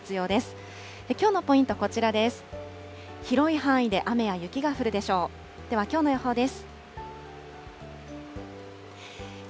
ではきょうの予報です。